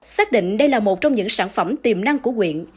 xác định đây là một trong những sản phẩm tiềm năng của quyện